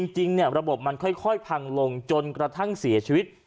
จริงระบบมันค่อยพังลงจนกระทั่งเสียชีวิต